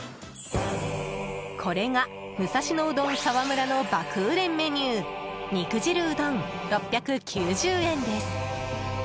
これが武蔵野うどん澤村の爆売れメニュー肉汁うどん、６９０円です。